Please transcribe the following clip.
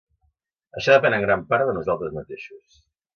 Això depèn en gran part de nosaltres mateixos.